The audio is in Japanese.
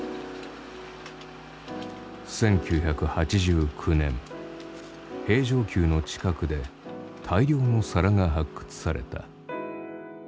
１９８９年平城宮の近くで大量の皿が発掘された。